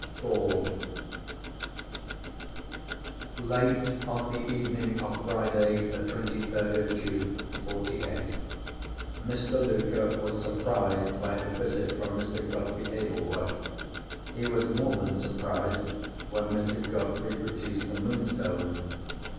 IV Late on the evening of Friday, the twenty third of June ('forty eight), Mr. Luker was surprised by a visit from Mr. Godfrey Ablewhite. He was more than surprised, when Mr. Godfrey produced the Moonstone.